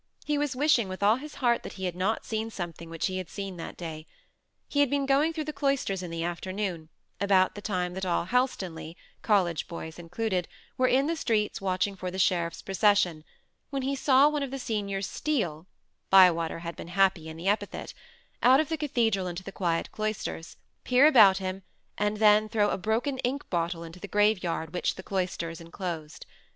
He was wishing with all his heart that he had not seen something which he had seen that day. He had been going through the cloisters in the afternoon, about the time that all Helstonleigh, college boys included, were in the streets watching for the sheriff's procession, when he saw one of the seniors steal (Bywater had been happy in the epithet) out of the cathedral into the quiet cloisters, peer about him, and then throw a broken ink bottle into the graveyard which the cloisters enclosed.